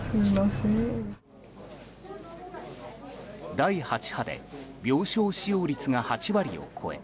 第８波で病床使用率が８割を超え